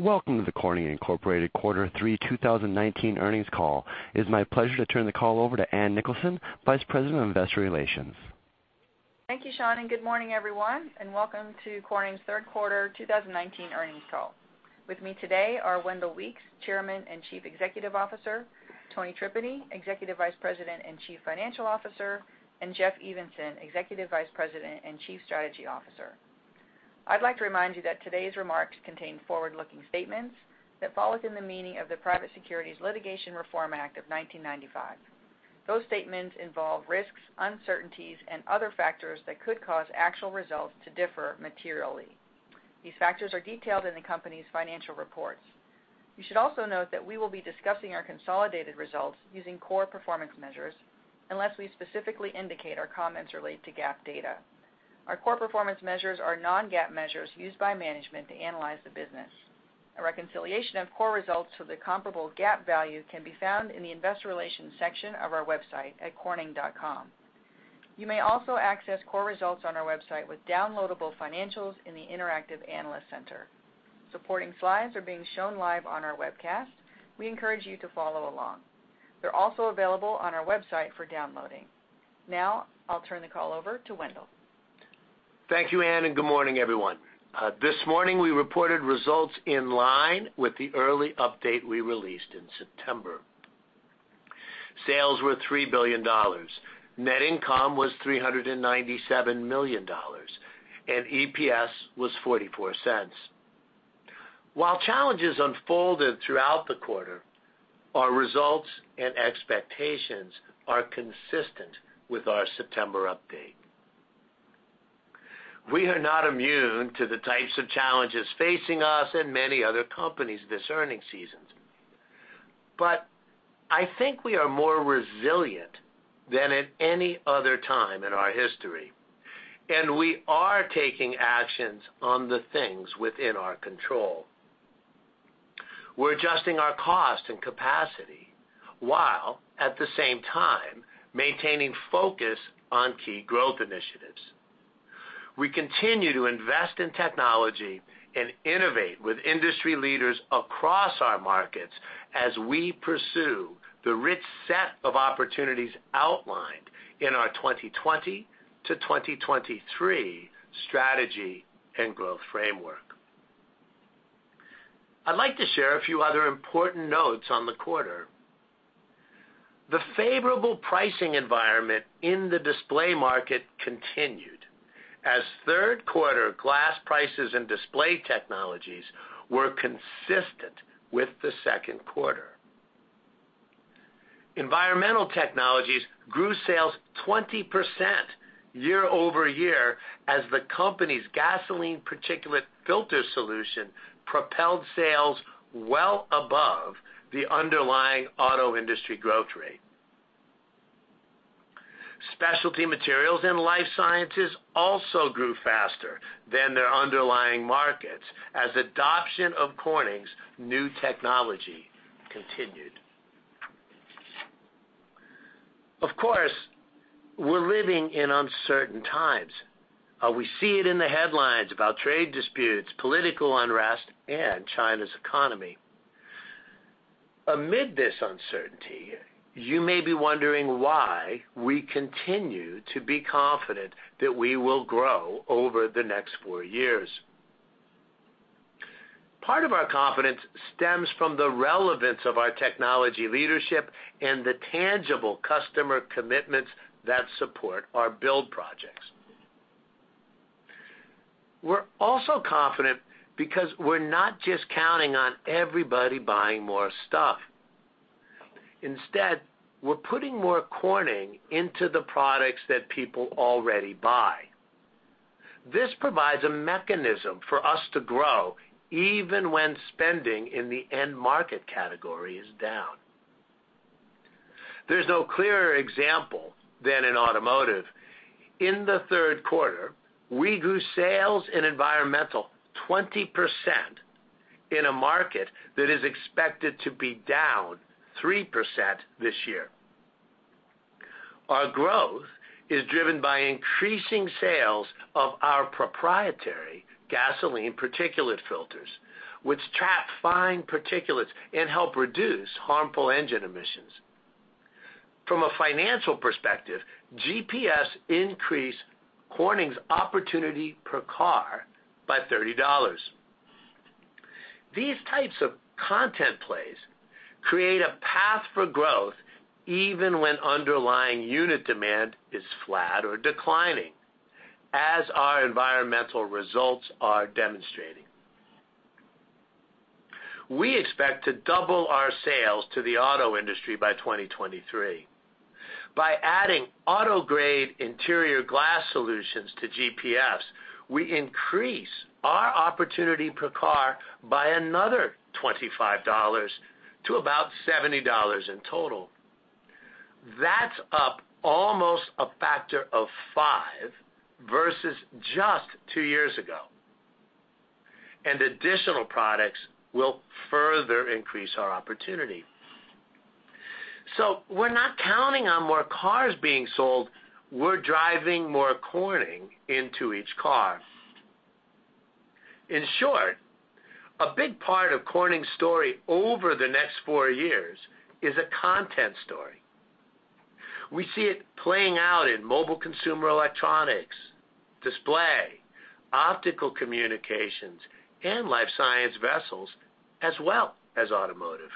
Welcome to the Corning Incorporated Quarter 3 2019 earnings call. It is my pleasure to turn the call over to Ann Nicholson, Vice President of Investor Relations. Thank you, Sean, and good morning, everyone, and welcome to Corning's third quarter 2019 earnings call. With me today are Wendell Weeks, Chairman and Chief Executive Officer, Tony Tripeny, Executive Vice President and Chief Financial Officer, and Jeff Evenson, Executive Vice President and Chief Strategy Officer. I'd like to remind you that today's remarks contain forward-looking statements that fall within the meaning of the Private Securities Litigation Reform Act of 1995. Those statements involve risks, uncertainties, and other factors that could cause actual results to differ materially. These factors are detailed in the company's financial reports. You should also note that we will be discussing our consolidated results using core performance measures unless we specifically indicate our comments relate to GAAP data. Our core performance measures are non-GAAP measures used by management to analyze the business. A reconciliation of core results to the comparable GAAP value can be found in the investor relations section of our website at corning.com. You may also access core results on our website with downloadable financials in the Interactive Analyst Center. Supporting slides are being shown live on our webcast. We encourage you to follow along. They're also available on our website for downloading. Now, I'll turn the call over to Wendell. Thank you, Ann, good morning, everyone. This morning, we reported results in line with the early update we released in September. Sales were $3 billion. Net income was $397 million. EPS was $0.44. While challenges unfolded throughout the quarter, our results and expectations are consistent with our September update. We are not immune to the types of challenges facing us and many other companies this earnings season. I think we are more resilient than at any other time in our history. We are taking actions on the things within our control. We're adjusting our cost and capacity while, at the same time, maintaining focus on key growth initiatives. We continue to invest in technology and innovate with industry leaders across our markets as we pursue the rich set of opportunities outlined in our 2020 to 2023 strategy and growth framework. I'd like to share a few other important notes on the quarter. The favorable pricing environment in the display market continued, as third quarter glass prices and Display Technologies were consistent with the second quarter. Environmental Technologies grew sales 20% year-over-year as the company's gasoline particulate filter solution propelled sales well above the underlying auto industry growth rate. Specialty Materials and Life Sciences also grew faster than their underlying markets as adoption of Corning's new technology continued. Of course, we're living in uncertain times. We see it in the headlines about trade disputes, political unrest, and China's economy. Amid this uncertainty, you may be wondering why we continue to be confident that we will grow over the next four years. Part of our confidence stems from the relevance of our technology leadership and the tangible customer commitments that support our build projects. We're also confident because we're not just counting on everybody buying more stuff. Instead, we're putting more Corning into the products that people already buy. This provides a mechanism for us to grow even when spending in the end market category is down. There's no clearer example than in automotive. In the third quarter, we grew sales in Environmental 20% in a market that is expected to be down 3% this year. Our growth is driven by increasing sales of our proprietary gasoline particulate filters, which trap fine particulates and help reduce harmful engine emissions. From a financial perspective, GPF increased Corning's opportunity per car by $30. These types of content plays create a path for growth even when underlying unit demand is flat or declining, as our Environmental results are demonstrating. We expect to double our sales to the auto industry by 2023. By adding auto-grade interior glass solutions to GPS, we increase our opportunity per car by another $25 to about $70 in total. That's up almost a factor of five versus just two years ago, and additional products will further increase our opportunity. We're not counting on more cars being sold, we're driving more Corning into each car. In short, a big part of Corning's story over the next four years is a content story. We see it playing out in Mobile Consumer Electronics, Display, Optical Communications, and Life Sciences vessels, as well as automotive.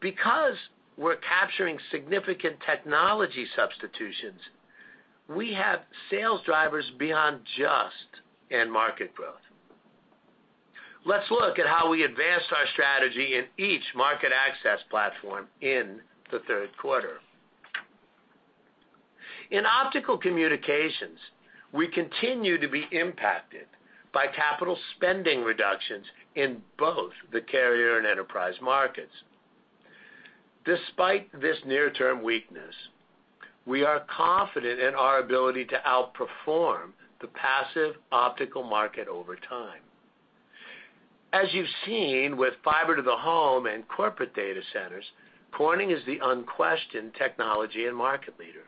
Because we're capturing significant technology substitutions, we have sales drivers beyond just end market growth. Let's look at how we advanced our strategy in each market access platform in the third quarter. In Optical Communications, we continue to be impacted by capital spending reductions in both the carrier and enterprise markets. Despite this near-term weakness, we are confident in our ability to outperform the passive optical market over time. As you've seen with fiber to the home and corporate data centers, Corning is the unquestioned technology and market leader.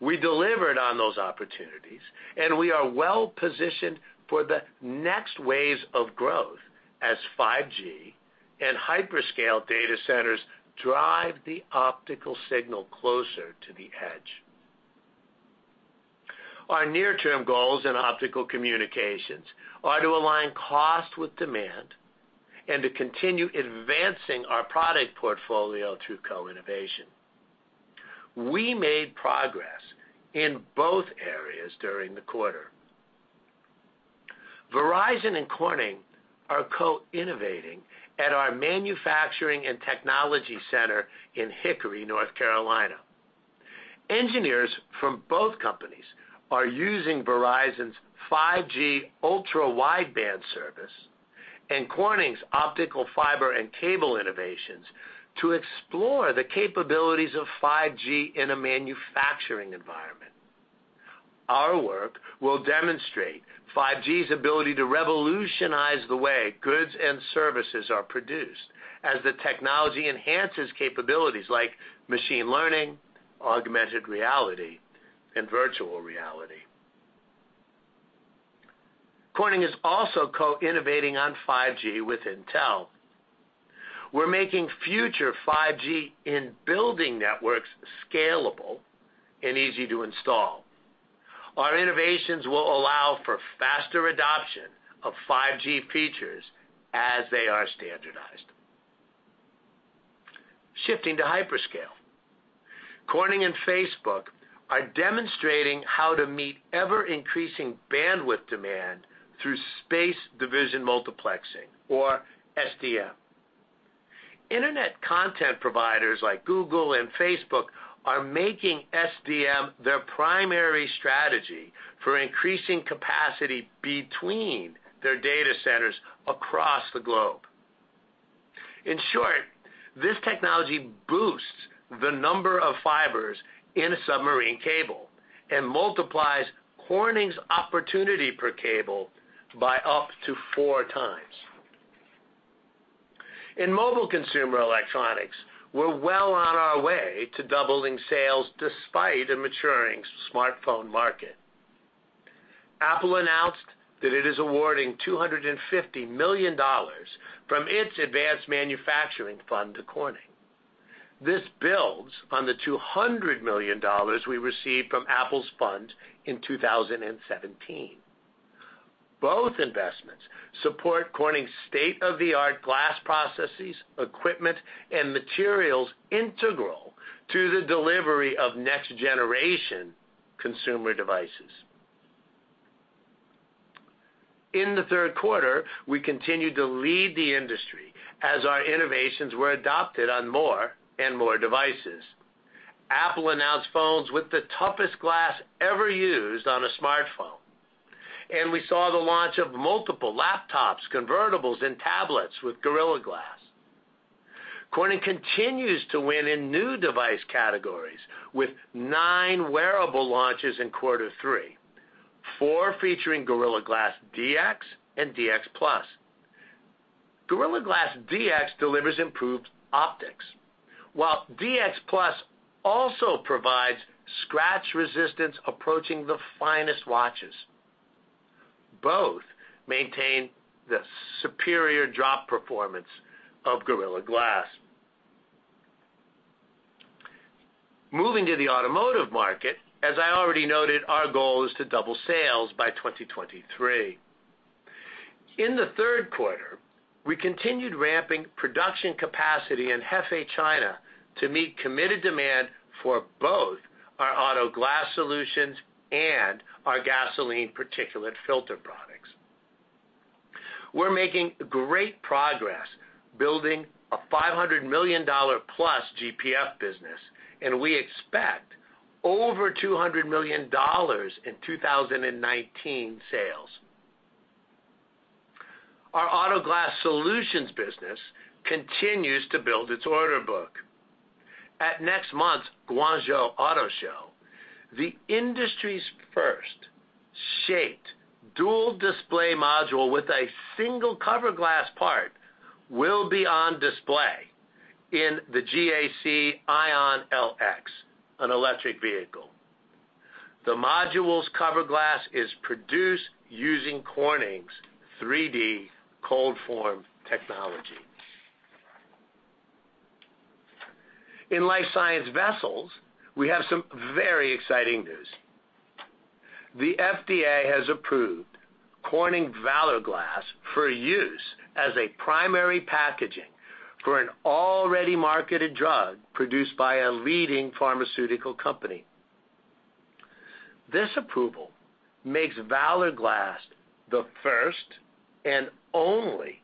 We delivered on those opportunities, and we are well-positioned for the next waves of growth as 5G and hyperscale data centers drive the optical signal closer to the edge. Our near-term goals in Optical Communications are to align cost with demand and to continue advancing our product portfolio through co-innovation. We made progress in both areas during the quarter. Verizon and Corning are co-innovating at our manufacturing and technology center in Hickory, North Carolina. Engineers from both companies are using Verizon's 5G Ultra Wideband service and Corning's optical fiber and cable innovations to explore the capabilities of 5G in a manufacturing environment. Our work will demonstrate 5G's ability to revolutionize the way goods and services are produced as the technology enhances capabilities like machine learning, augmented reality, and virtual reality. Corning is also co-innovating on 5G with Intel. We're making future 5G in building networks scalable and easy to install. Our innovations will allow for faster adoption of 5G features as they are standardized. Shifting to hyperscale. Corning and Facebook are demonstrating how to meet ever-increasing bandwidth demand through space division multiplexing, or SDM. Internet content providers like Google and Facebook are making SDM their primary strategy for increasing capacity between their data centers across the globe. In short, this technology boosts the number of fibers in a submarine cable and multiplies Corning's opportunity per cable by up to four times. In Mobile Consumer Electronics, we're well on our way to doubling sales despite a maturing smartphone market. Apple announced that it is awarding $250 million from its advanced manufacturing fund to Corning. This builds on the $200 million we received from Apple's fund in 2017. Both investments support Corning's state-of-the-art glass processes, equipment, and materials integral to the delivery of next-generation consumer devices. In the third quarter, we continued to lead the industry as our innovations were adopted on more and more devices. Apple announced phones with the toughest glass ever used on a smartphone, and we saw the launch of multiple laptops, convertibles, and tablets with Gorilla Glass. Corning continues to win in new device categories with nine wearable launches in quarter three, four featuring Gorilla Glass DX and DX Plus. Gorilla Glass DX delivers improved optics, while DX Plus also provides scratch resistance approaching the finest watches. Both maintain the superior drop performance of Gorilla Glass. Moving to the automotive market, as I already noted, our goal is to double sales by 2023. In the third quarter, we continued ramping production capacity in Hefei, China, to meet committed demand for both our auto glass solutions and our gasoline particulate filter products. We're making great progress building a $500 million-plus GPF business, and we expect over $200 million in 2019 sales. Our auto glass solutions business continues to build its order book. At next month's Guangzhou Auto Show, the industry's first shaped dual display module with a single cover glass part will be on display in the GAC Aion LX, an electric vehicle. The module's cover glass is produced using Corning's 3D ColdForm Technology. In life science vessels, we have some very exciting news. The FDA has approved Corning Valor Glass for use as a primary packaging for an already marketed drug produced by a leading pharmaceutical company. This approval makes Valor Glass the first and only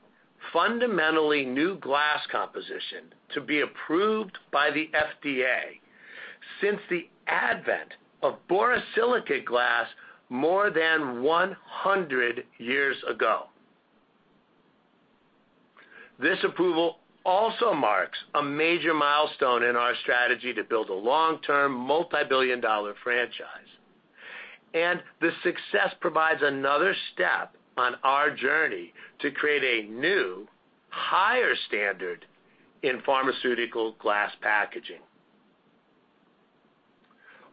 fundamentally new glass composition to be approved by the FDA since the advent of borosilicate glass more than 100 years ago. This approval also marks a major milestone in our strategy to build a long-term, multi-billion-dollar franchise, and the success provides another step on our journey to create a new higher standard in pharmaceutical glass packaging.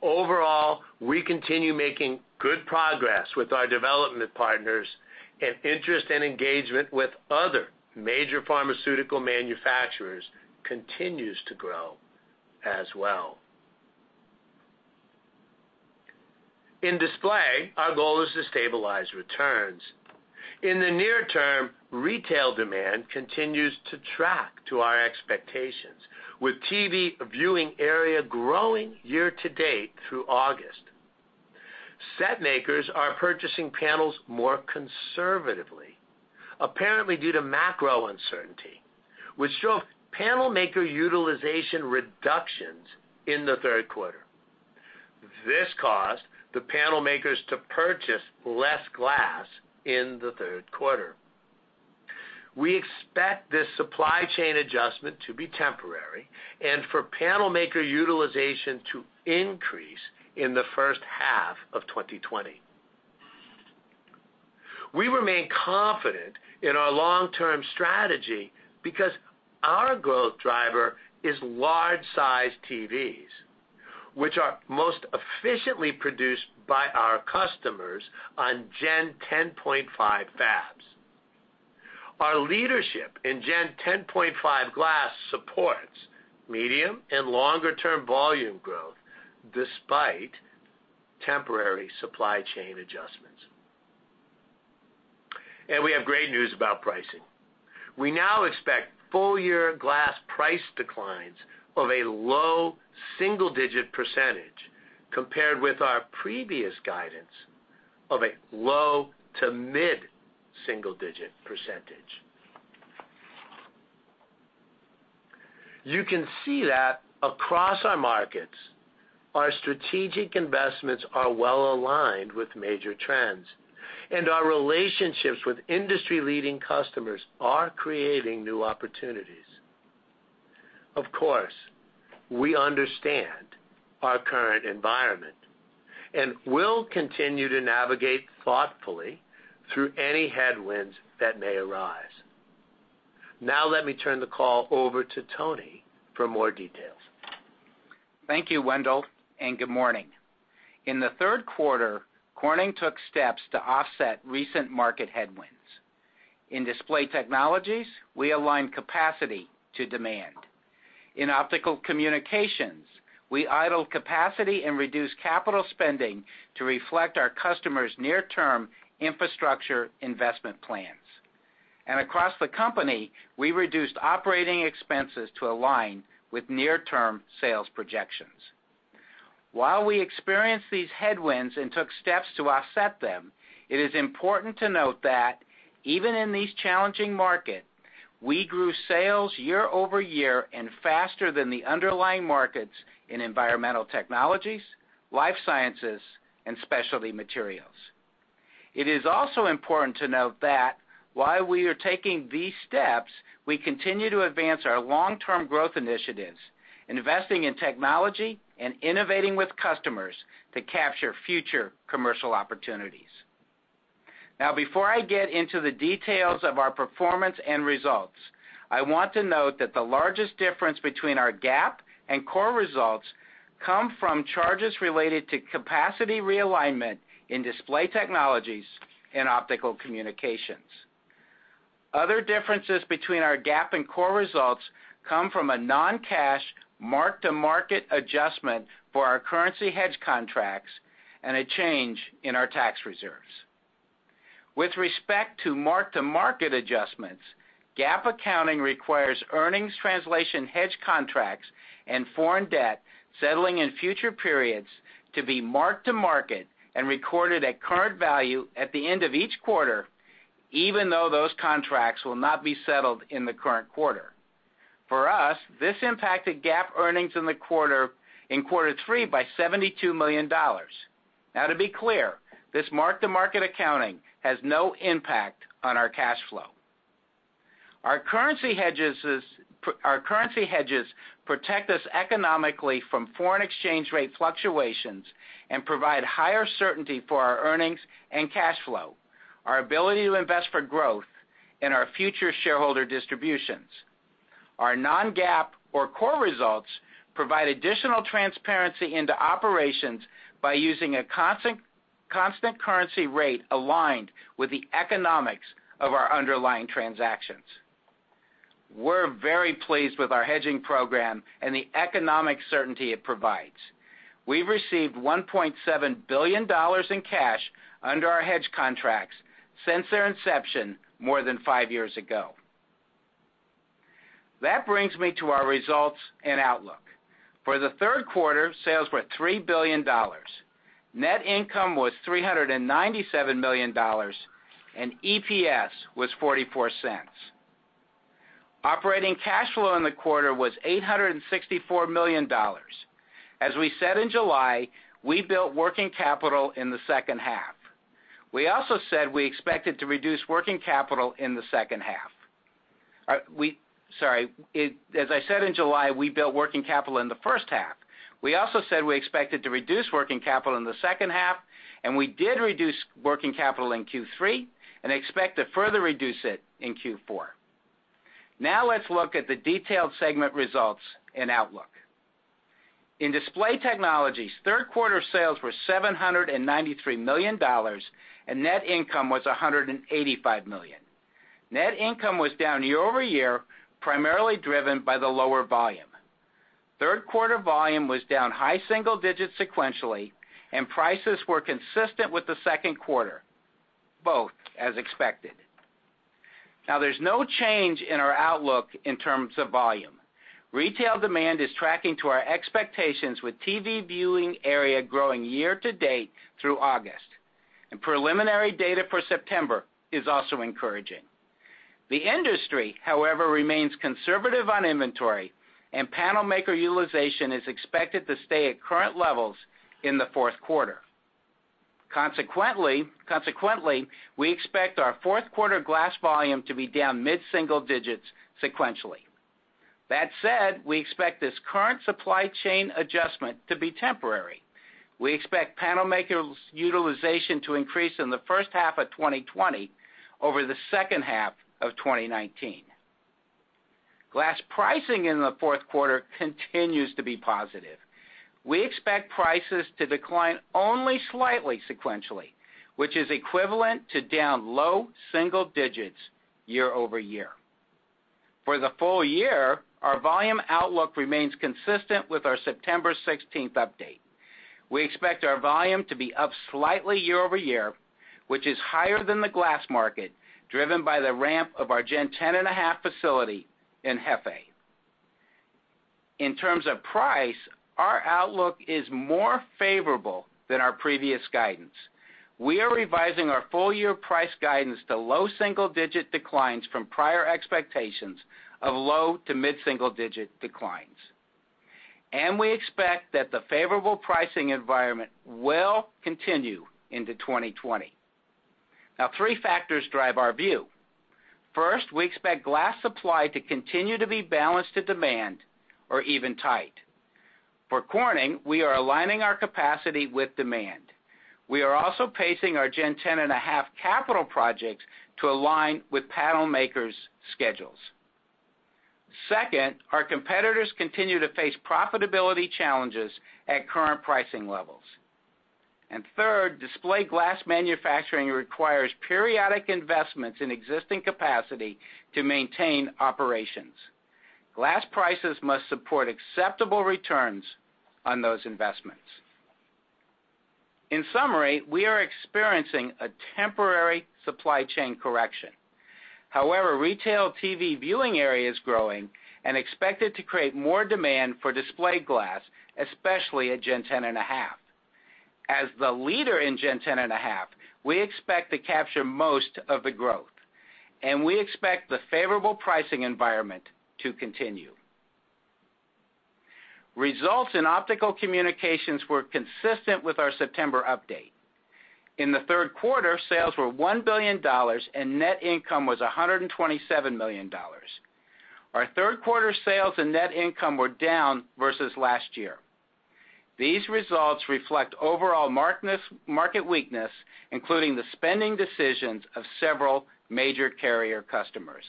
Overall, we continue making good progress with our development partners, and interest and engagement with other major pharmaceutical manufacturers continues to grow as well. In Display, our goal is to stabilize returns. In the near term, retail demand continues to track to our expectations, with TV viewing area growing year-to-date through August. Set makers are purchasing panels more conservatively, apparently due to macro uncertainty, which showed panel maker utilization reductions in the third quarter. This caused the panel makers to purchase less glass in the third quarter. We expect this supply chain adjustment to be temporary and for panel maker utilization to increase in the first half of 2020. We remain confident in our long-term strategy because our growth driver is large-size TVs, which are most efficiently produced by our customers on Gen 10.5 fabs. Our leadership in Gen 10.5 glass supports medium and longer-term volume growth despite temporary supply chain adjustments. We have great news about pricing. We now expect full-year glass price declines of a low single-digit % compared with our previous guidance of a low to mid-single-digit %. You can see that across our markets, our strategic investments are well-aligned with major trends, and our relationships with industry-leading customers are creating new opportunities. Of course, we understand our current environment and will continue to navigate thoughtfully through any headwinds that may arise. Now, let me turn the call over to Tony for more details. Thank you, Wendell, and good morning. In the third quarter, Corning took steps to offset recent market headwinds. In Display Technologies, we aligned capacity to demand. In Optical Communications, we idled capacity and reduced capital spending to reflect our customers' near-term infrastructure investment plans. Across the company, we reduced operating expenses to align with near-term sales projections. While we experienced these headwinds and took steps to offset them, it is important to note that even in these challenging markets, we grew sales year-over-year and faster than the underlying markets in Environmental Technologies, Life Sciences, and Specialty Materials. It is also important to note that while we are taking these steps, we continue to advance our long-term growth initiatives, investing in technology and innovating with customers to capture future commercial opportunities. Before I get into the details of our performance and results, I want to note that the largest difference between our GAAP and core results come from charges related to capacity realignment in Display Technologies and Optical Communications. Other differences between our GAAP and core results come from a non-cash mark-to-market adjustment for our currency hedge contracts and a change in our tax reserves. With respect to mark-to-market adjustments, GAAP accounting requires earnings translation hedge contracts and foreign debt settling in future periods to be marked to market and recorded at current value at the end of each quarter, even though those contracts will not be settled in the current quarter. For us, this impacted GAAP earnings in quarter three by $72 million. Now, to be clear, this mark-to-market accounting has no impact on our cash flow. Our currency hedges protect us economically from foreign exchange rate fluctuations and provide higher certainty for our earnings and cash flow, our ability to invest for growth, and our future shareholder distributions. Our non-GAAP or core results provide additional transparency into operations by using a constant currency rate aligned with the economics of our underlying transactions. We're very pleased with our hedging program and the economic certainty it provides. We've received $1.7 billion in cash under our hedge contracts since their inception more than five years ago. That brings me to our results and outlook. For the third quarter, sales were $3 billion. Net income was $397 million, and EPS was $0.44. Operating cash flow in the quarter was $864 million. As we said in July, we built working capital in the second half. We also said we expected to reduce working capital in the second half. Sorry. As I said in July, we built working capital in the first half. We also said we expected to reduce working capital in the second half, and we did reduce working capital in Q3 and expect to further reduce it in Q4. Let's look at the detailed segment results and outlook. In Display Technologies, third quarter sales were $793 million, and net income was $185 million. Net income was down year-over-year, primarily driven by the lower volume. Third quarter volume was down high single digits sequentially, and prices were consistent with the second quarter, both as expected. There's no change in our outlook in terms of volume. Retail demand is tracking to our expectations with TV viewing area growing year-to-date through August. Preliminary data for September is also encouraging. The industry, however, remains conservative on inventory, and panel maker utilization is expected to stay at current levels in the fourth quarter. Consequently, we expect our fourth quarter glass volume to be down mid-single digits sequentially. That said, we expect this current supply chain adjustment to be temporary. We expect panel makers' utilization to increase in the first half of 2020 over the second half of 2019. Glass pricing in the fourth quarter continues to be positive. We expect prices to decline only slightly sequentially, which is equivalent to down low single digits year-over-year. For the full year, our volume outlook remains consistent with our September 16th update. We expect our volume to be up slightly year-over-year, which is higher than the glass market, driven by the ramp of our Gen 10.5 facility in Hefei. In terms of price, our outlook is more favorable than our previous guidance. We are revising our full-year price guidance to low single-digit declines from prior expectations of low to mid-single digit declines. We expect that the favorable pricing environment will continue into 2020. Now, three factors drive our view. First, we expect glass supply to continue to be balanced to demand or even tight. For Corning, we are aligning our capacity with demand. We are also pacing our Gen 10.5 capital projects to align with panel makers' schedules. Second, our competitors continue to face profitability challenges at current pricing levels. Third, display glass manufacturing requires periodic investments in existing capacity to maintain operations. Glass prices must support acceptable returns on those investments. In summary, we are experiencing a temporary supply chain correction. Retail TV viewing area is growing and expected to create more demand for display glass, especially at Gen 10.5. As the leader in Gen 10.5, we expect to capture most of the growth, and we expect the favorable pricing environment to continue. Results in Optical Communications were consistent with our September update. In the third quarter, sales were $1 billion, and net income was $127 million. Our third quarter sales and net income were down versus last year. These results reflect overall market weakness, including the spending decisions of several major carrier customers.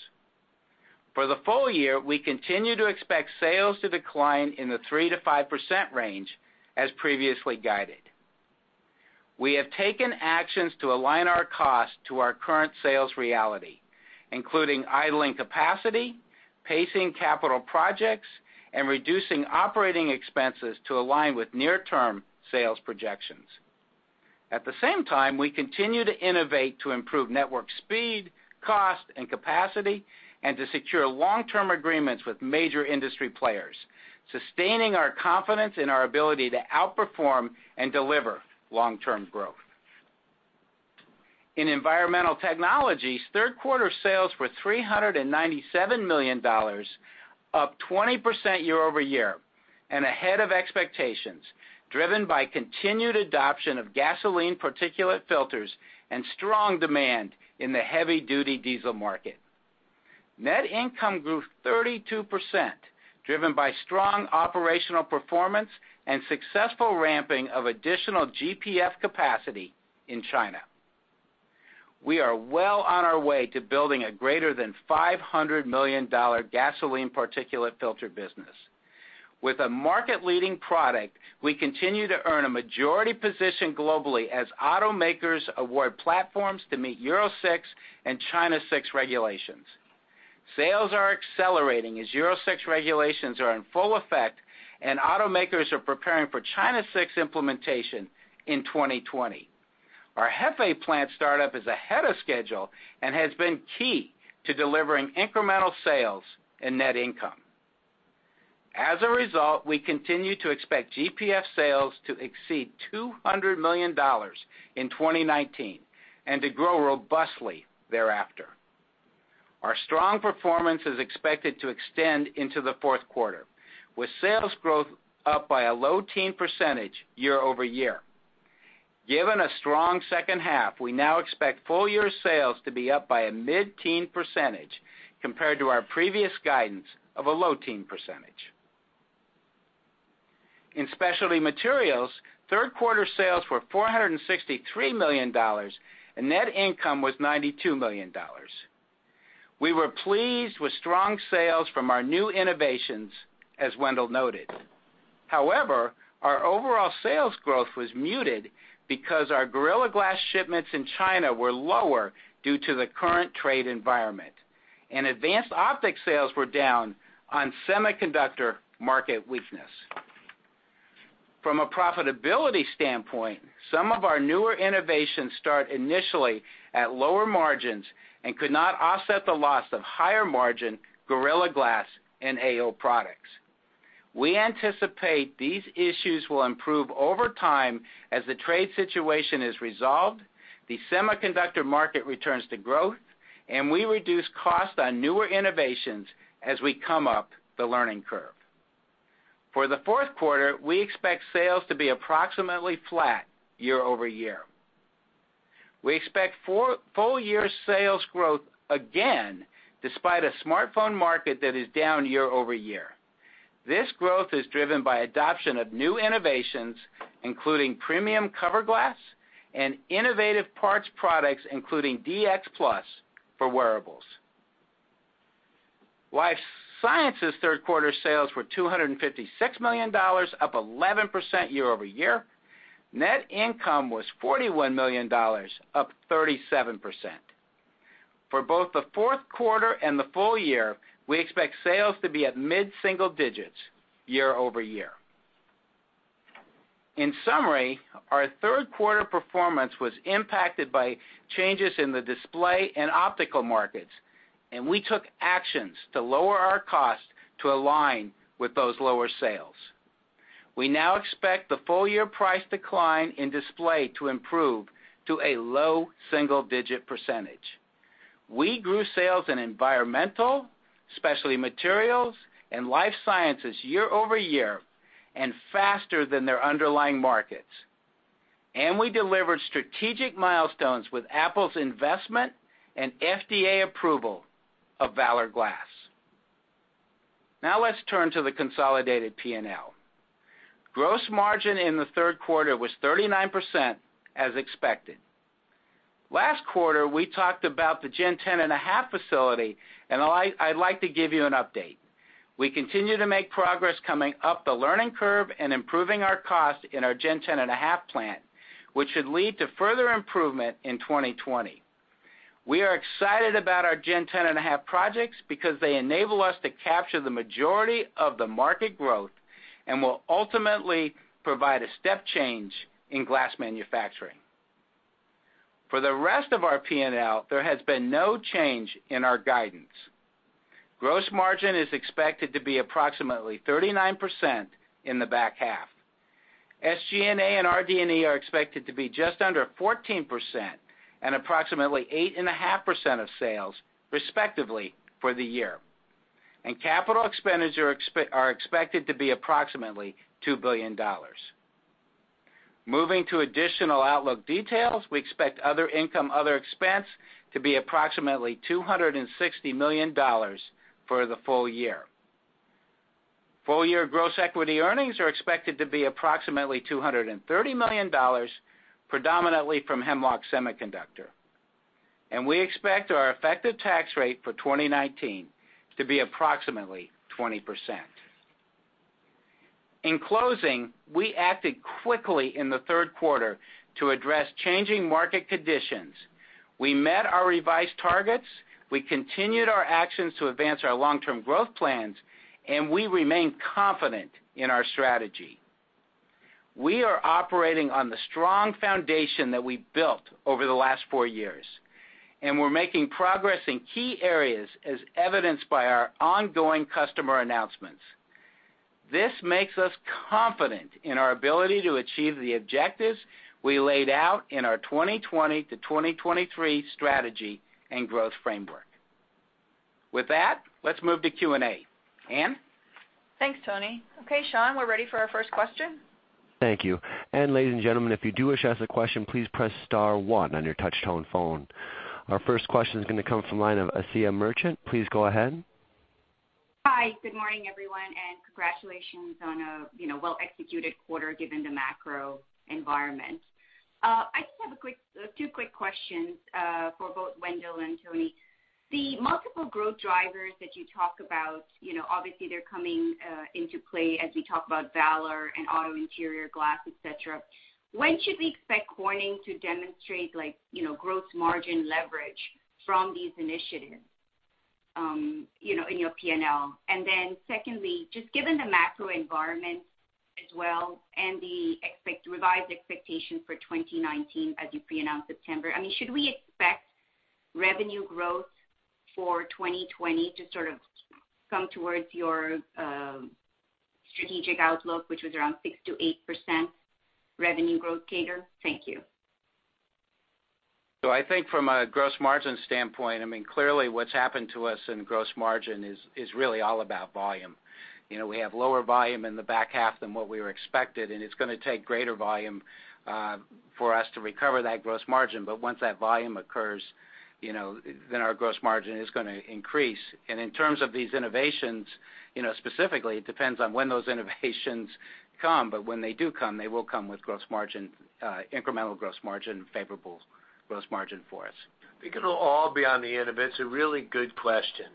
For the full year, we continue to expect sales to decline in the 3%-5% range as previously guided. We have taken actions to align our cost to our current sales reality, including idling capacity, pacing capital projects, and reducing operating expenses to align with near-term sales projections. At the same time, we continue to innovate to improve network speed, cost, and capacity and to secure long-term agreements with major industry players, sustaining our confidence in our ability to outperform and deliver long-term growth. In Environmental Technologies, third quarter sales were $397 million, up 20% year-over-year. Ahead of expectations, driven by continued adoption of gasoline particulate filters and strong demand in the heavy-duty diesel market. Net income grew 32%, driven by strong operational performance and successful ramping of additional GPF capacity in China. We are well on our way to building a greater than $500 million gasoline particulate filter business. With a market-leading product, we continue to earn a majority position globally as automakers award platforms to meet Euro 6 and China 6 regulations. Sales are accelerating as Euro 6 regulations are in full effect, and automakers are preparing for China 6 implementation in 2020. Our Hefei plant startup is ahead of schedule and has been key to delivering incremental sales and net income. We continue to expect GPF sales to exceed $200 million in 2019 and to grow robustly thereafter. Our strong performance is expected to extend into the fourth quarter, with sales growth up by a low teen percentage year-over-year. Given a strong second half, we now expect full-year sales to be up by a mid-teen percentage compared to our previous guidance of a low teen percentage. In Specialty Materials, third quarter sales were $463 million, and net income was $92 million. We were pleased with strong sales from our new innovations, as Wendell noted. Our overall sales growth was muted because our Gorilla Glass shipments in China were lower due to the current trade environment. Advanced optic sales were down on semiconductor market weakness. From a profitability standpoint, some of our newer innovations start initially at lower margins and could not offset the loss of higher margin Gorilla Glass and AO products. We anticipate these issues will improve over time as the trade situation is resolved, the semiconductor market returns to growth, and we reduce costs on newer innovations as we come up the learning curve. For the fourth quarter, we expect sales to be approximately flat year-over-year. We expect full year sales growth again, despite a smartphone market that is down year-over-year. This growth is driven by adoption of new innovations, including premium cover glass and innovative parts products, including DX+ for wearables. Life Sciences third quarter sales were $256 million, up 11% year-over-year. Net income was $41 million, up 37%. For both the fourth quarter and the full year, we expect sales to be at mid-single digits year-over-year. In summary, our third quarter performance was impacted by changes in the Display and Optical markets, and we took actions to lower our cost to align with those lower sales. We now expect the full year price decline in Display to improve to a low single-digit percentage. We grew sales in Environmental, Specialty Materials, and Life Sciences year-over-year and faster than their underlying markets. We delivered strategic milestones with Apple's investment and FDA approval of Valor Glass. Now let's turn to the consolidated P&L. Gross margin in the third quarter was 39% as expected. Last quarter, we talked about the Gen 10.5 facility, I'd like to give you an update. We continue to make progress coming up the learning curve and improving our cost in our Gen 10.5 plant, which should lead to further improvement in 2020. We are excited about our Gen 10.5 projects because they enable us to capture the majority of the market growth and will ultimately provide a step change in glass manufacturing. For the rest of our P&L, there has been no change in our guidance. Gross margin is expected to be approximately 39% in the back half. SG&A and RD&E are expected to be just under 14% and approximately 8.5% of sales, respectively, for the year. Capital expenditures are expected to be approximately $2 billion. Moving to additional outlook details, we expect other income, other expense to be approximately $260 million for the full year. Full year gross equity earnings are expected to be approximately $230 million, predominantly from Hemlock Semiconductor. We expect our effective tax rate for 2019 to be approximately 20%. In closing, we acted quickly in the third quarter to address changing market conditions. We met our revised targets, we continued our actions to advance our long-term growth plans, and we remain confident in our strategy. We are operating on the strong foundation that we built over the last four years, and we're making progress in key areas as evidenced by our ongoing customer announcements. This makes us confident in our ability to achieve the objectives we laid out in our 2020 to 2023 strategy and growth framework. With that, let's move to Q&A. Ann? Thanks, Tony. Okay, Sean, we're ready for our first question. Thank you. Ladies and gentlemen, if you do wish to ask a question, please press star one on your touch-tone phone. Our first question is going to come from the line of Asiya Merchant. Please go ahead. Hi. Good morning, everyone, and congratulations on a well-executed quarter given the macro environment. I just have two quick questions for both Wendell and Tony. The multiple growth drivers that you talk about, obviously they're coming into play as we talk about Valor and auto interior glass, et cetera. When should we expect Corning to demonstrate gross margin leverage from these initiatives in your P&L? Secondly, just given the macro environment as well and the revised expectation for 2019 as you pre-announced September, should we expect revenue growth for 2020 to sort of come towards your strategic outlook, which was around 6%-8% revenue growth cater? Thank you. I think from a gross margin standpoint, clearly what's happened to us in gross margin is really all about volume. We have lower volume in the back half than what we were expected, and it's going to take greater volume for us to recover that gross margin, but once that volume occurs, then our gross margin is going to increase. In terms of these innovations, specifically, it depends on when those innovations come, but when they do come, they will come with incremental gross margin, favorable gross margin for us. I think it'll all be on the end of it. It's a really good question.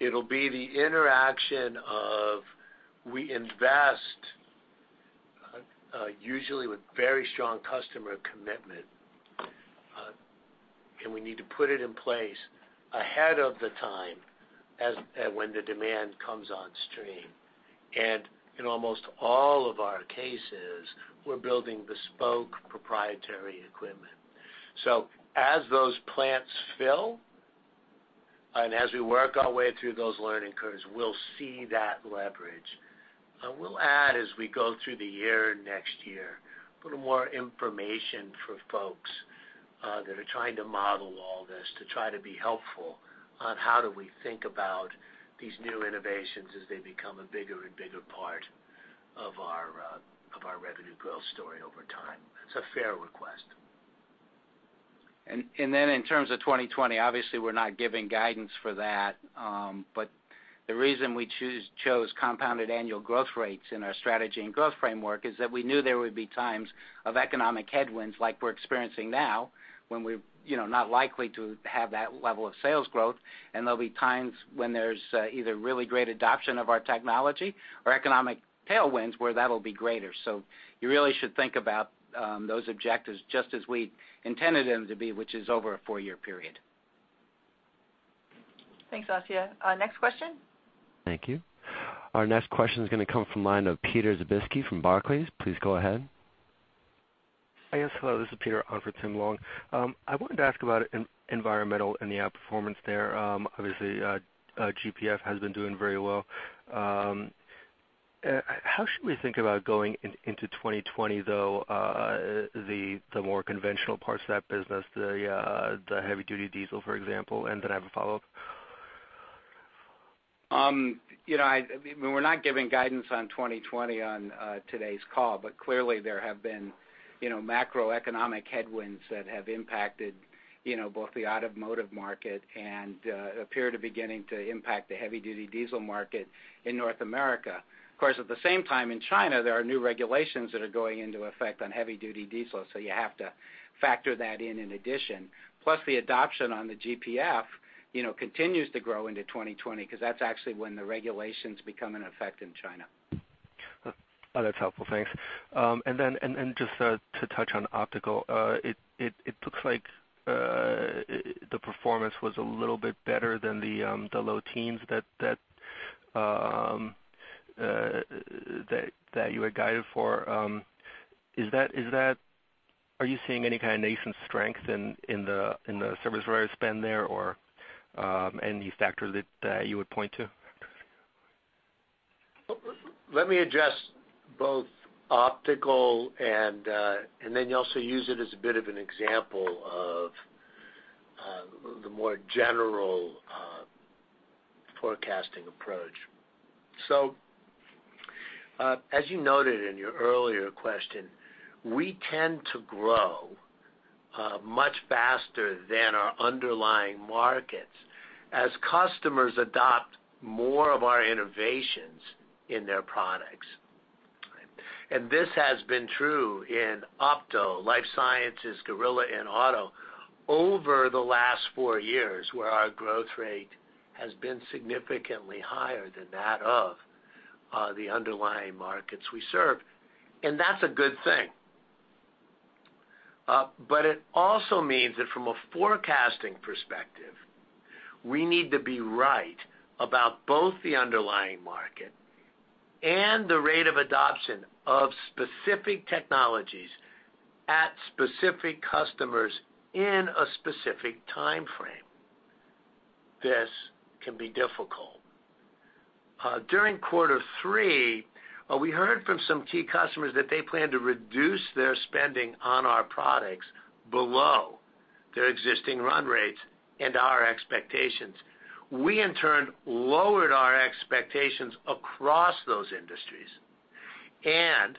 It'll be the interaction of we invest, usually with very strong customer commitment, and we need to put it in place ahead of the time as when the demand comes on stream. In almost all of our cases, we're building bespoke proprietary equipment. As those plants fill, and as we work our way through those learning curves, we'll see that leverage. I will add as we go through the year, next year, a little more information for folks that are trying to model all this to try to be helpful on how do we think about these new innovations as they become a bigger and bigger part of our revenue growth story over time. It's a fair request. In terms of 2020, obviously we're not giving guidance for that, but the reason we chose compounded annual growth rates in our strategy and growth framework is that we knew there would be times of economic headwinds like we're experiencing now when we're not likely to have that level of sales growth, and there'll be times when there's either really great adoption of our technology or economic tailwinds where that'll be greater. You really should think about those objectives just as we intended them to be, which is over a four-year period. Thanks, Asiya. Next question? Thank you. Our next question is going to come from the line of Peter Zibinski from Barclays. Please go ahead. Yes, hello, this is Peter on for Tim Long. I wanted to ask about Environmental and the outperformance there. Obviously, GPF has been doing very well. How should we think about going into 2020, though, the more conventional parts of that business, the heavy-duty diesel, for example, and then I have a follow-up. We're not giving guidance on 2020 on today's call, but clearly there have been macroeconomic headwinds that have impacted both the automotive market and appear to beginning to impact the heavy-duty diesel market in North America. Of course, at the same time in China, there are new regulations that are going into effect on heavy-duty diesel, so you have to factor that in in addition. Plus the adoption on the GPF continues to grow into 2020 because that's actually when the regulations become in effect in China. That's helpful. Thanks. Just to touch on Optical Communications, it looks like the performance was a little bit better than the low teens that you had guided for. Are you seeing any kind of nascent strength in the service wire spend there, or any factor that you would point to? Let me address both optical and also use it as a bit of an example of the more general forecasting approach. As you noted in your earlier question, we tend to grow much faster than our underlying markets as customers adopt more of our innovations in their products. This has been true in opto, Life Sciences, Gorilla, and auto over the last four years, where our growth rate has been significantly higher than that of the underlying markets we serve. That's a good thing. It also means that from a forecasting perspective, we need to be right about both the underlying market and the rate of adoption of specific technologies at specific customers in a specific time frame. This can be difficult. During quarter three, we heard from some key customers that they plan to reduce their spending on our products below their existing run rates and our expectations. We, in turn, lowered our expectations across those industries, and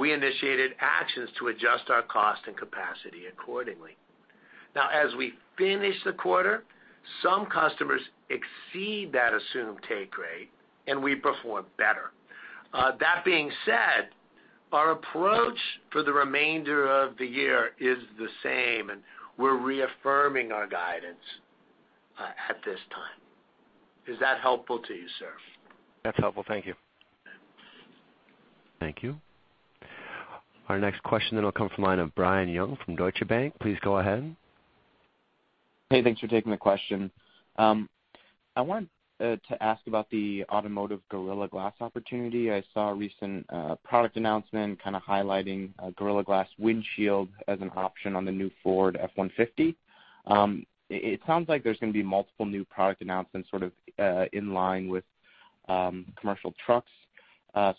we initiated actions to adjust our cost and capacity accordingly. Now, as we finish the quarter, some customers exceed that assumed take rate, and we perform better. That being said, our approach for the remainder of the year is the same, and we're reaffirming our guidance, at this time. Is that helpful to you, sir? That's helpful. Thank you. Thank you. Our next question then will come from the line of Brian Young from Deutsche Bank. Please go ahead. Hey, thanks for taking the question. I wanted to ask about the automotive Gorilla Glass opportunity. I saw a recent product announcement kind of highlighting a Gorilla Glass windshield as an option on the new Ford F-150. It sounds like there's going to be multiple new product announcements sort of in line with commercial trucks.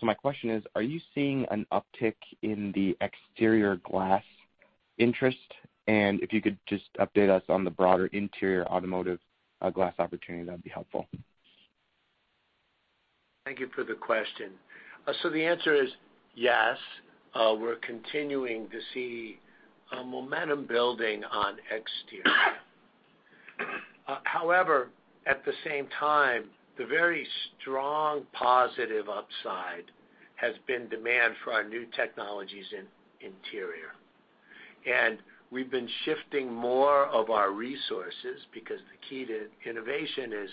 My question is, are you seeing an uptick in the exterior glass interest? If you could just update us on the broader interior automotive glass opportunity, that would be helpful. Thank you for the question. The answer is yes, we're continuing to see a momentum building on exterior. However, at the same time, the very strong positive upside has been demand for our new technologies in interior. We've been shifting more of our resources, because the key to innovation is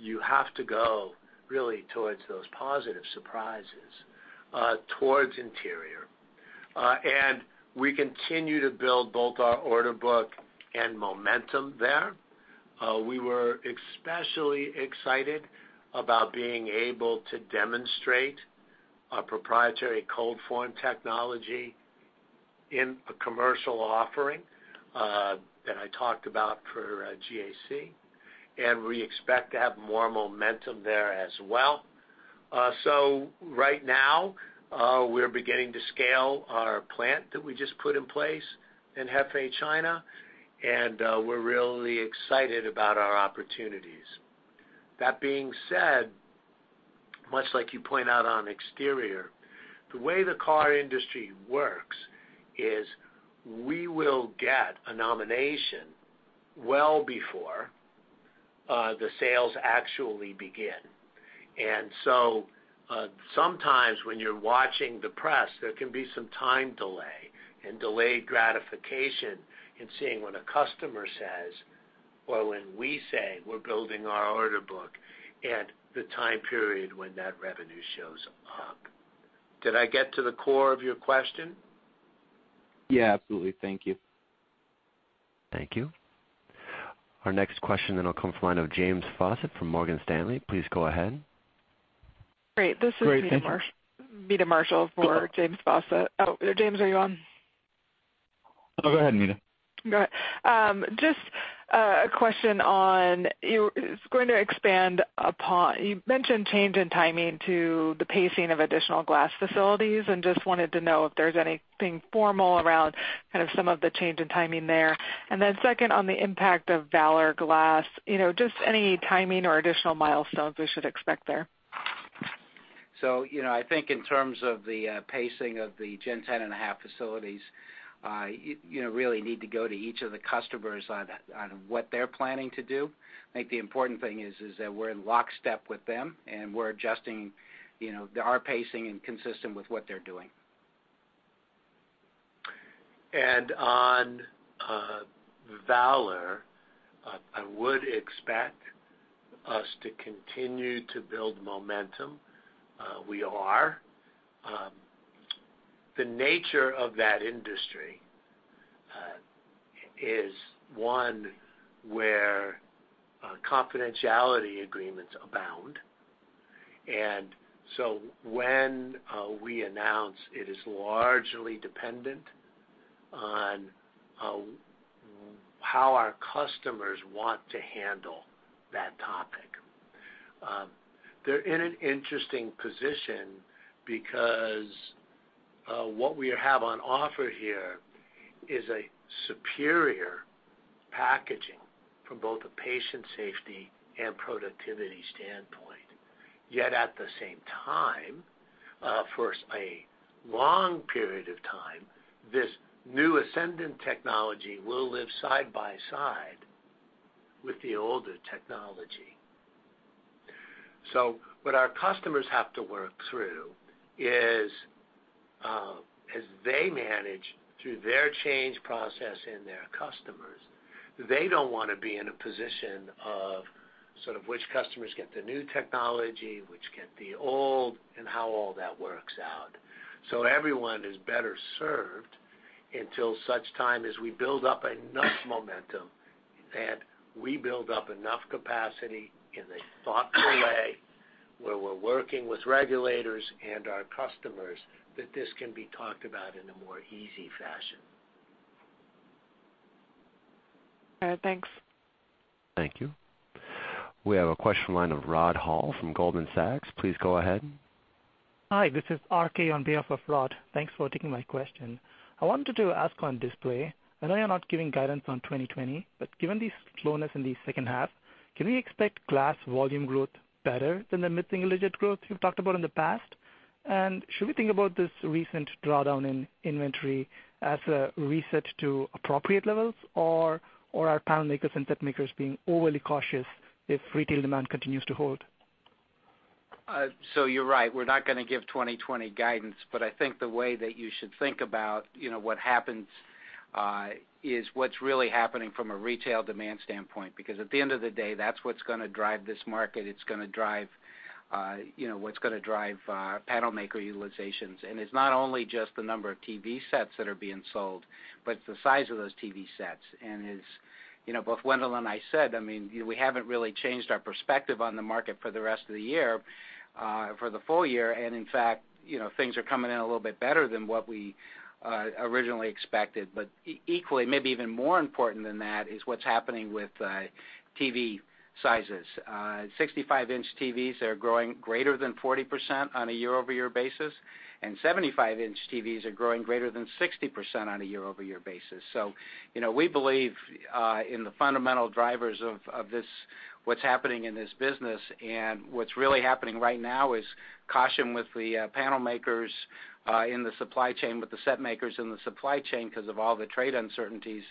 you have to go really towards those positive surprises, towards interior. We continue to build both our order book and momentum there. We were especially excited about being able to demonstrate our proprietary ColdForm Technology in a commercial offering, that I talked about for GAC, and we expect to have more momentum there as well. Right now, we're beginning to scale our plant that we just put in place in Hefei, China, and we're really excited about our opportunities. That being said, much like you point out on exterior, the way the car industry works is we will get a nomination well before the sales actually begin. Sometimes when you're watching the press, there can be some time delay and delayed gratification in seeing when a customer says, or when we say we're building our order book and the time period when that revenue shows up. Did I get to the core of your question? Yeah, absolutely. Thank you. Thank you. Our next question then will come from the line of James Faucette from Morgan Stanley. Please go ahead. Great. This is Meta Marshall for James Faucette. Oh, James, are you on? No, go ahead, Meta. Go ahead. Just a question on, you mentioned change in timing to the pacing of additional glass facilities. Just wanted to know if there's anything formal around some of the change in timing there. Second, on the impact of Valor Glass, just any timing or additional milestones we should expect there. I think in terms of the pacing of the Gen 10.5 facilities, you really need to go to each of the customers on what they're planning to do. I think the important thing is that we're in lockstep with them, and we're adjusting our pacing and consistent with what they're doing. On Valor, I would expect us to continue to build momentum. We are. The nature of that industry is one where confidentiality agreements abound. When we announce, it is largely dependent on how our customers want to handle that topic. They're in an interesting position because what we have on offer here is a superior packaging from both a patient safety and productivity standpoint. Yet at the same time, for a long period of time, this new ascendant technology will live side by side with the older technology. What our customers have to work through is, as they manage through their change process in their customers, they don't want to be in a position of sort of which customers get the new technology, which get the old, and how all that works out. Everyone is better served until such time as we build up enough momentum and we build up enough capacity in a thoughtful way. Where we're working with regulators and our customers that this can be talked about in a more easy fashion. All right, thanks. Thank you. We have a question line of Rod Hall from Goldman Sachs. Please go ahead. Hi, this is RK on behalf of Rod. Thanks for taking my question. I wanted to ask on Display. I know you're not giving guidance on 2020. Given the slowness in the second half, can we expect glass volume growth better than the mid-single digit growth you've talked about in the past? Should we think about this recent drawdown in inventory as a reset to appropriate levels? Are panel makers and set makers being overly cautious if retail demand continues to hold? You're right, we're not going to give 2020 guidance, but I think the way that you should think about what happens, is what's really happening from a retail demand standpoint, because at the end of the day, that's what's going to drive this market. It's what's going to drive panel maker utilizations. It's not only just the number of TV sets that are being sold, but the size of those TV sets. Both Wendell and I said, we haven't really changed our perspective on the market for the rest of the year, for the full year. In fact, things are coming in a little bit better than what we originally expected. Equally, maybe even more important than that, is what's happening with TV sizes. 65 inch TVs are growing greater than 40% on a year-over-year basis, and 75 inch TVs are growing greater than 60% on a year-over-year basis. We believe in the fundamental drivers of what's happening in this business. What's really happening right now is caution with the panel makers in the supply chain, with the set makers in the supply chain because of all the trade uncertainties.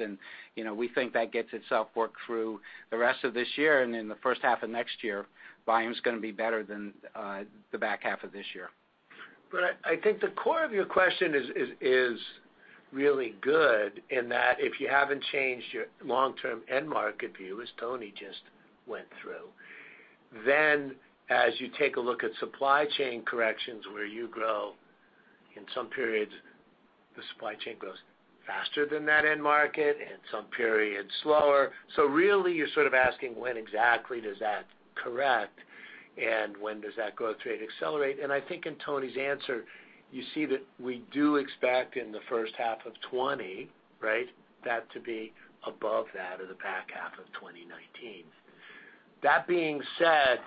We think that gets itself worked through the rest of this year, and in the first half of next year, volume's going to be better than the back half of this year. I think the core of your question is really good in that if you haven't changed your long-term end market view, as Tony just went through, then as you take a look at supply chain corrections where you grow, in some periods, the supply chain grows faster than that end market, and some periods slower. Really, you're sort of asking when exactly does that correct, and when does that growth rate accelerate. I think in Tony's answer, you see that we do expect in the first half of 2020, right, that to be above that of the back half of 2019. That being said,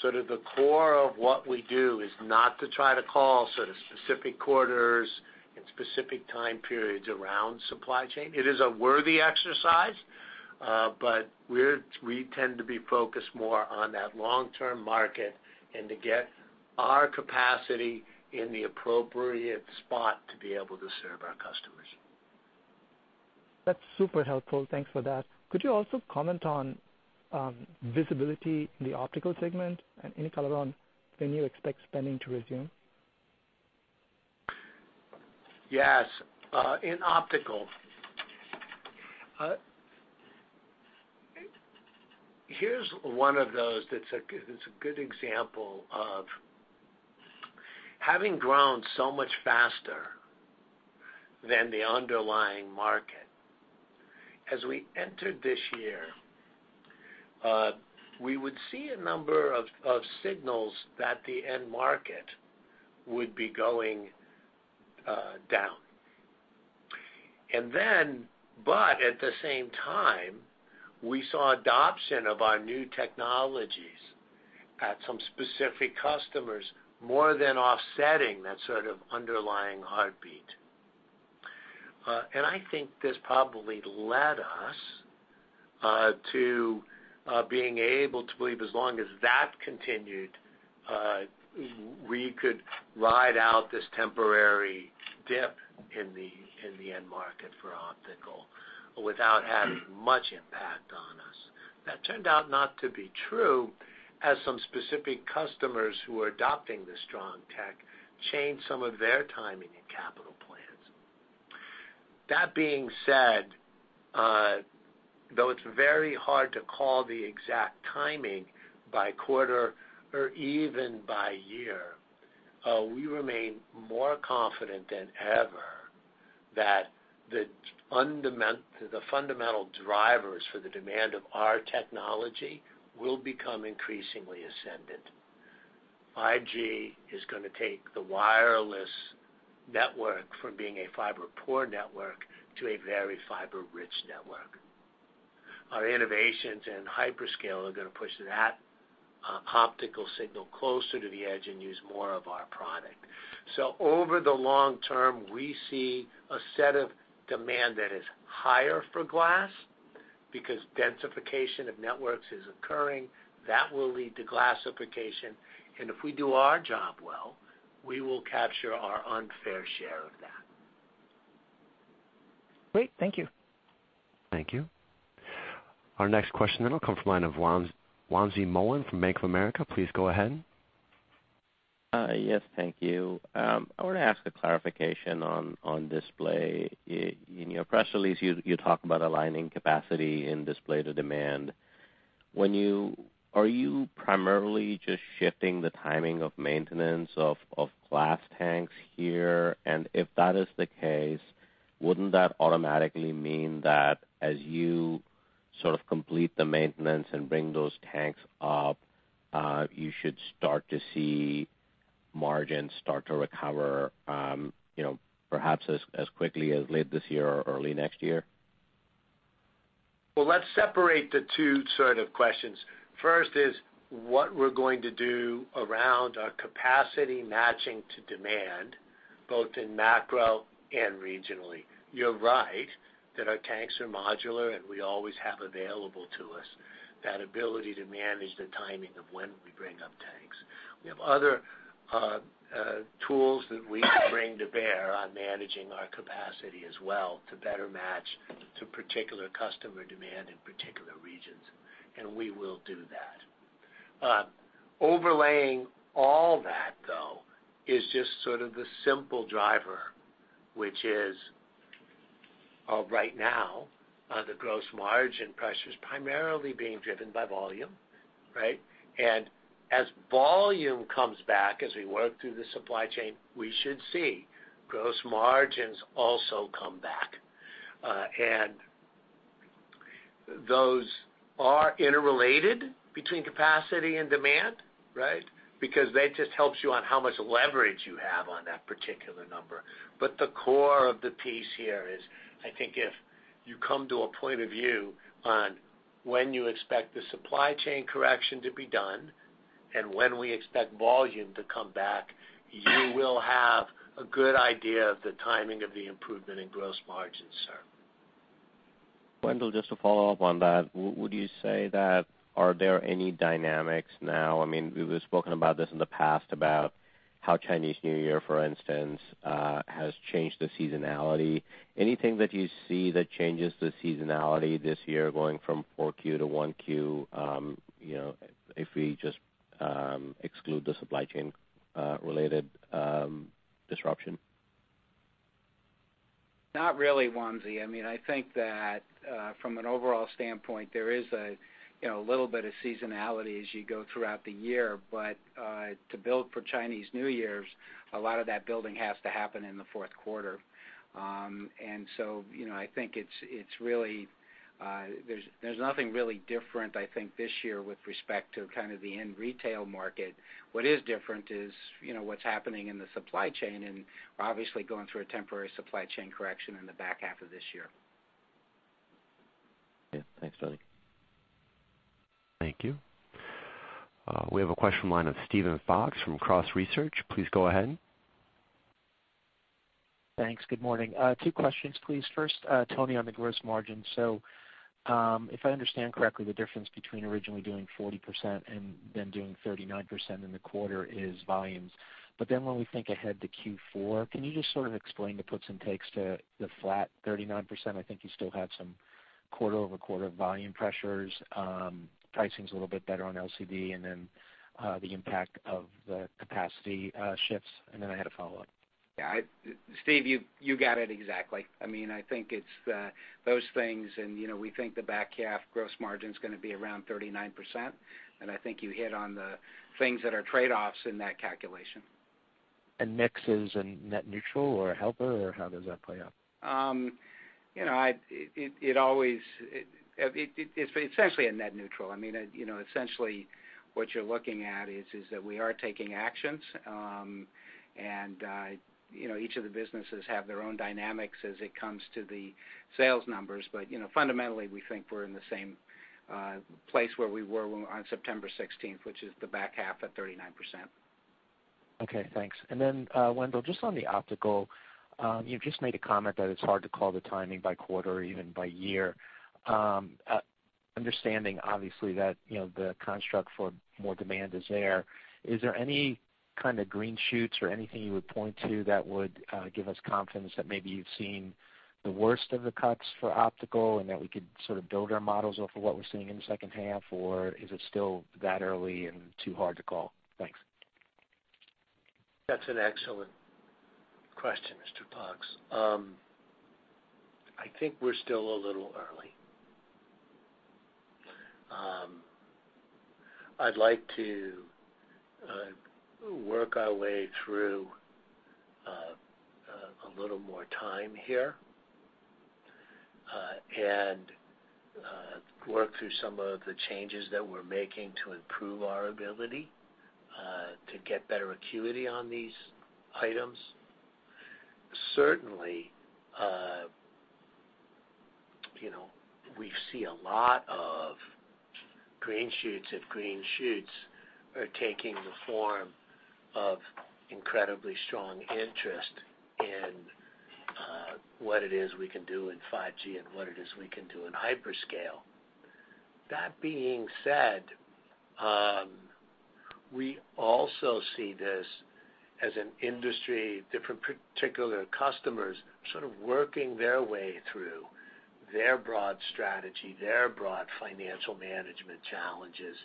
sort of the core of what we do is not to try to call sort of specific quarters and specific time periods around supply chain. It is a worthy exercise, but we tend to be focused more on that long-term market and to get our capacity in the appropriate spot to be able to serve our customers. That's super helpful. Thanks for that. Could you also comment on visibility in the Optical segment, and any color on when you expect spending to resume? Yes. In Optical, here's one of those that's a good example of having grown so much faster than the underlying market. As we entered this year, we would see a number of signals that the end market would be going down. At the same time, we saw adoption of our new technologies at some specific customers, more than offsetting that sort of underlying heartbeat. I think this probably led us to being able to believe as long as that continued, we could ride out this temporary dip in the end market for Optical without having much impact on us. That turned out not to be true, as some specific customers who were adopting the strong tech changed some of their timing and capital plans. That being said, though it's very hard to call the exact timing by quarter or even by year, we remain more confident than ever that the fundamental drivers for the demand of our technology will become increasingly ascendant. 5G is going to take the wireless network from being a fiber poor network to a very fiber rich network. Our innovations and hyperscale are going to push that optical signal closer to the edge and use more of our product. Over the long term, we see a set of demand that is higher for glass because densification of networks is occurring. That will lead to glassification, and if we do our job well, we will capture our unfair share of that. Great. Thank you. Thank you. Our next question then will come from the line of Wamsi Mohan from Bank of America. Please go ahead. Yes, thank you. I want to ask a clarification on display. In your press release, you talk about aligning capacity in display to demand. Are you primarily just shifting the timing of maintenance of glass tanks here? If that is the case, wouldn't that automatically mean that as you sort of complete the maintenance and bring those tanks up, you should start to see margins start to recover, perhaps as quickly as late this year or early next year? Well, let's separate the two sort of questions. First is what we're going to do around our capacity matching to demand, both in macro and regionally. You're right that our tanks are modular, and we always have available to us that ability to manage the timing of when we bring up tanks. We have other tools that we can bring to bear on managing our capacity as well to better match to particular customer demand in particular regions, and we will do that. Overlaying all that, though, is just sort of the simple driver, which is, right now, the gross margin pressure's primarily being driven by volume, right? As volume comes back, as we work through the supply chain, we should see gross margins also come back. Those are interrelated between capacity and demand, right? Because that just helps you on how much leverage you have on that particular number. The core of the piece here is, I think if you come to a point of view on when you expect the supply chain correction to be done and when we expect volume to come back, you will have a good idea of the timing of the improvement in gross margins, sir. Wendell, just to follow up on that, would you say that, are there any dynamics now, we've spoken about this in the past, about how Chinese New Year, for instance, has changed the seasonality. Anything that you see that changes the seasonality this year going from 4Q to 1Q, if we just exclude the supply chain related disruption? Not really, Wamsi. I think that, from an overall standpoint, there is a little bit of seasonality as you go throughout the year. To build for Chinese New Year, a lot of that building has to happen in the fourth quarter. I think there's nothing really different, I think, this year with respect to kind of the end retail market. What is different is what's happening in the supply chain, and we're obviously going through a temporary supply chain correction in the back half of this year. Okay, thanks, Tony. Thank you. We have a question line of Steven Fox from Cross Research. Please go ahead. Thanks. Good morning. Two questions, please. First, Tony, on the gross margin. If I understand correctly, the difference between originally doing 40% and then doing 39% in the quarter is volumes. When we think ahead to Q4, can you just sort of explain the puts and takes to the flat 39%? I think you still have some quarter-over-quarter volume pressures. Pricing's a little bit better on LCD, the impact of the capacity shifts. I had a follow-up. Yeah. Steve, you got it exactly. I think it's those things. We think the back half gross margin's going to be around 39%. I think you hit on the things that are trade-offs in that calculation. Mix is a net neutral or a helper, or how does that play out? It's essentially a net neutral. Essentially, what you're looking at is that we are taking actions. Each of the businesses have their own dynamics as it comes to the sales numbers. Fundamentally, we think we're in the same place where we were on September 16th, which is the back half at 39%. Okay, thanks. Wendell, just on the optical, you've just made a comment that it's hard to call the timing by quarter or even by year. Understanding obviously that the construct for more demand is there, is there any kind of green shoots or anything you would point to that would give us confidence that maybe you've seen the worst of the cuts for optical and that we could sort of build our models off of what we're seeing in the second half? Is it still that early and too hard to call? Thanks. That's an excellent question, Mr. Fox. I think we're still a little early. I'd like to work our way through a little more time here, and work through some of the changes that we're making to improve our ability, to get better acuity on these items. Certainly, we see a lot of green shoots, if green shoots are taking the form of incredibly strong interest in what it is we can do in 5G and what it is we can do in hyperscale. That being said, we also see this as an industry, different particular customers sort of working their way through their broad strategy, their broad financial management challenges,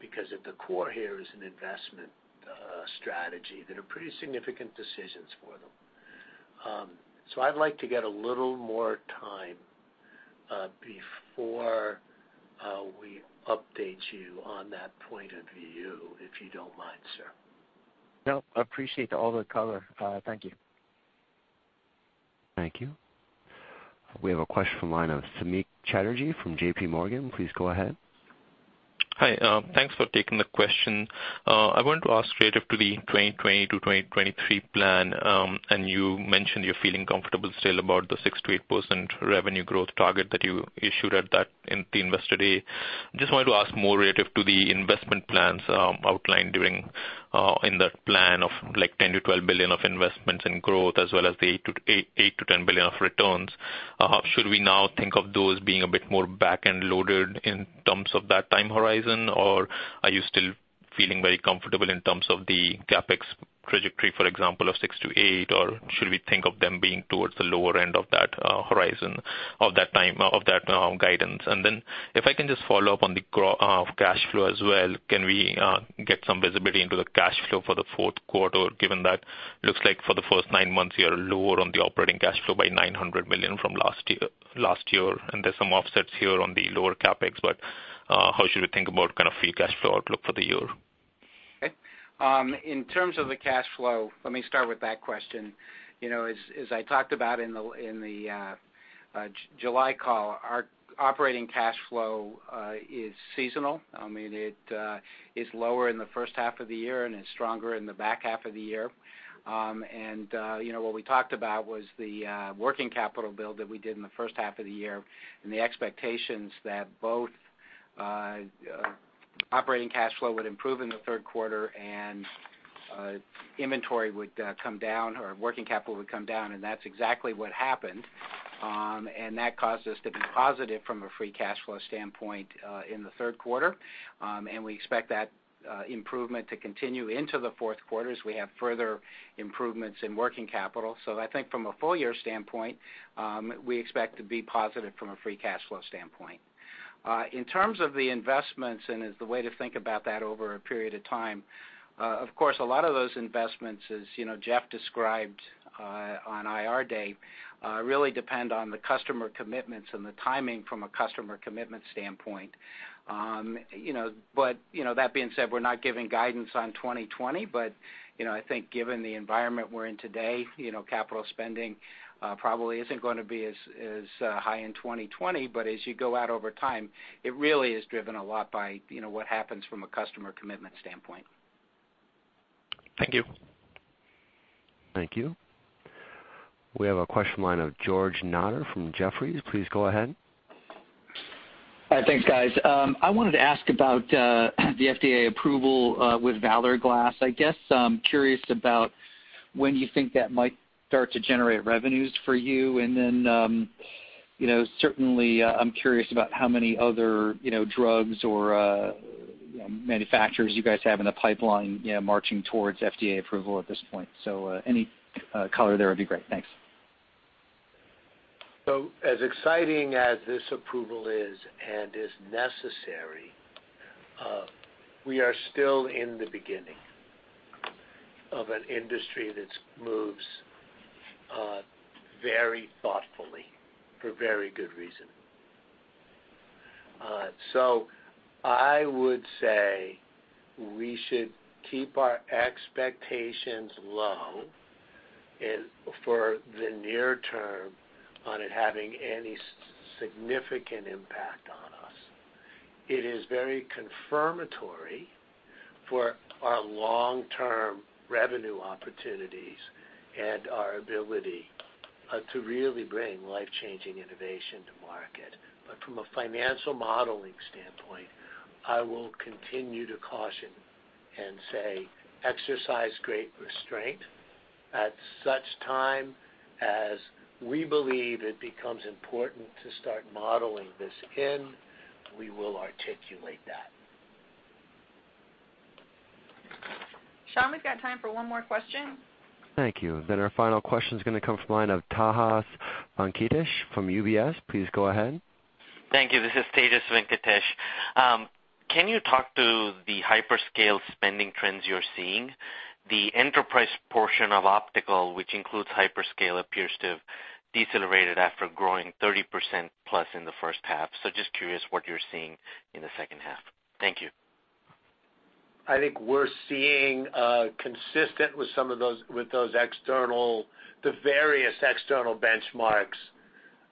because at the core here is an investment strategy that are pretty significant decisions for them. I'd like to get a little more time, before we update you on that point of view, if you don't mind, sir. No, appreciate all the color. Thank you. Thank you. We have a question from line of Samik Chatterjee from JPMorgan. Please go ahead. Hi. Thanks for taking the question. I wanted to ask relative to the 2020-2023 plan. You mentioned you're feeling comfortable still about the 6%-8% revenue growth target that you issued at the Investor Day. Just wanted to ask more relative to the investment plans outlined in that plan of $10 billion-$12 billion of investments in growth as well as the $8 billion-$10 billion of returns. Should we now think of those being a bit more back-end loaded in terms of that time horizon? Are you still feeling very comfortable in terms of the CapEx trajectory, for example, of 6%-8%? Should we think of them being towards the lower end of that horizon of that guidance? If I can just follow up on the cash flow as well, can we get some visibility into the cash flow for the fourth quarter, given that it looks like for the first nine months you are lower on the operating cash flow by $900 million from last year, and there's some offsets here on the lower CapEx. How should we think about free cash flow outlook for the year? Okay. In terms of the cash flow, let me start with that question. As I talked about in the July call, our operating cash flow is seasonal. It is lower in the first half of the year, it's stronger in the back half of the year. What we talked about was the working capital build that we did in the first half of the year and the expectations that both operating cash flow would improve in the third quarter and inventory would come down, or working capital would come down, and that's exactly what happened. That caused us to be positive from a free cash flow standpoint in the third quarter. We expect that improvement to continue into the fourth quarter as we have further improvements in working capital. I think from a full-year standpoint, we expect to be positive from a free cash flow standpoint. In terms of the investments, and the way to think about that over a period of time, of course, a lot of those investments, as Jeff described on Investor Day, really depend on the customer commitments and the timing from a customer commitment standpoint. That being said, we're not giving guidance on 2020. I think given the environment we're in today, capital spending probably isn't going to be as high in 2020. As you go out over time, it really is driven a lot by what happens from a customer commitment standpoint. Thank you. Thank you. We have a question line of George Notter from Jefferies. Please go ahead. Thanks, guys. I wanted to ask about the FDA approval with Valor Glass. I guess I'm curious about when you think that might start to generate revenues for you, and then certainly I'm curious about how many other drugs or manufacturers you guys have in the pipeline marching towards FDA approval at this point. Any color there would be great. Thanks. As exciting as this approval is, and is necessary, we are still in the beginning of an industry that moves very thoughtfully for very good reason. I would say we should keep our expectations low for the near term on it having any significant impact on us. It is very confirmatory for our long-term revenue opportunities and our ability to really bring life-changing innovation to market. From a financial modeling standpoint, I will continue to caution and say exercise great restraint. At such time as we believe it becomes important to start modeling this in, we will articulate that. Sean, we've got time for one more question. Thank you. Our final question is going to come from line of Tejas Venkatesh from UBS. Please go ahead. Thank you. This is Tejas Venkatesh. Can you talk to the hyperscale spending trends you're seeing? The enterprise portion of optical, which includes hyperscale, appears to have decelerated after growing 30% plus in the first half. Just curious what you're seeing in the second half. Thank you. I think we're seeing consistent with those external, the various external benchmarks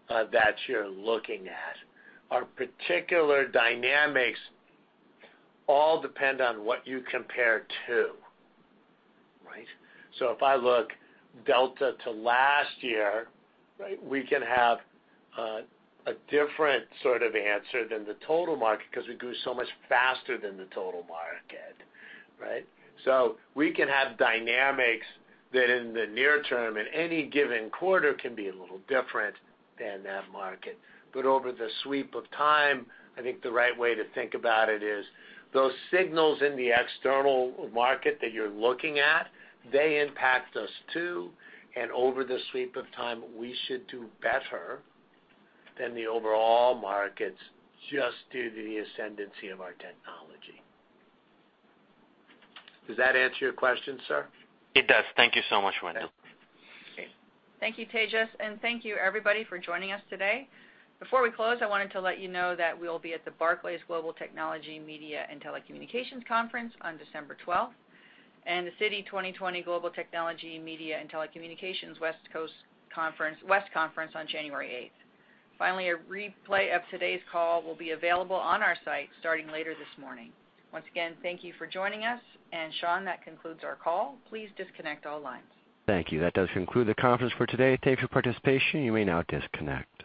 that you're looking at. Our particular dynamics all depend on what you compare to, right? If I look delta to last year, we can have a different sort of answer than the total market because we grew so much faster than the total market, right? We can have dynamics that in the near term, in any given quarter can be a little different than that market. Over the sweep of time, I think the right way to think about it is those signals in the external market that you're looking at, they impact us, too. Over the sweep of time, we should do better than the overall markets just due to the ascendancy of our technology. Does that answer your question, sir? It does. Thank you so much, Wendell. Okay. Thank you, Tejas, and thank you everybody for joining us today. Before we close, I wanted to let you know that we will be at the Barclays Global Technology, Media, and Telecommunications Conference on December 12th and the Citi 2020 Global Technology, Media, and Telecommunications West Conference on January 8th. Finally, a replay of today's call will be available on our site starting later this morning. Once again, thank you for joining us, and Sean, that concludes our call. Please disconnect all lines. Thank you. That does conclude the conference for today. Thank you for participation. You may now disconnect.